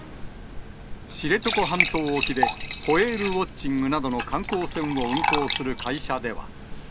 知床半島沖で、ホエールウォッチングなどの観光船を運航する会社では。